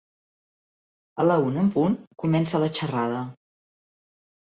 A la una en Punt comença la xerrada.